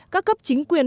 các cấp chính quyền